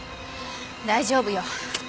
大丈夫よ。